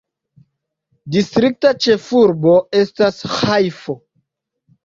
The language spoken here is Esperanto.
Distrikta ĉefurbo estas Ĥajfo.